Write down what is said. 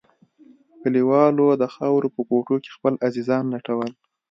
کليوالو د خاورو په کوټو کښې خپل عزيزان لټول.